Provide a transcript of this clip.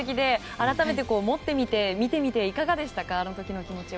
改めて持ってみて見てみて、いかがでしたか？